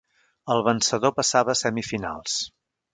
El vencedor passava a semifinals.